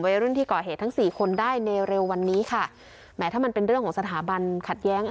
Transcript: วัยรุ่นที่ก่อเหตุทั้งสี่คนได้ในเร็ววันนี้ค่ะแม้ถ้ามันเป็นเรื่องของสถาบันขัดแย้ง